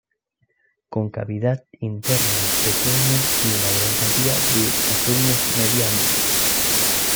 Con cavidad interna pequeña, y una gran cantidad de aquenios medianos.